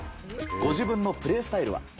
ご自分のプレースタイルは？